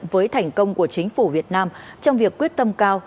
với thành công của chính phủ việt nam trong việc quyết tâm cao